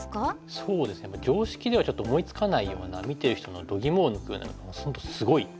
そうですね常識ではちょっと思いつかないような見てる人のどぎもを抜くようなすごい手みたいな。